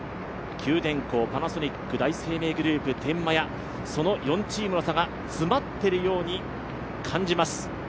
九電工、パナソニック、第一生命グループ、天満屋、その４チームの差が詰まっているように感じます。